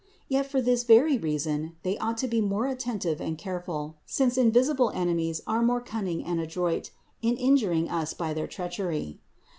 Yet for this very reason they ought to be more attentive and careful, since invis ible enemies are more cunning and adroit in injuring us by their treachery.